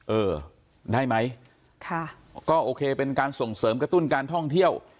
เออได้ไหมค่ะก็โอเคเป็นการส่งเสริมกระตุ้นการท่องเที่ยว